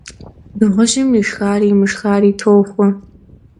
Dığujım yişşxari yimışşxari toxue.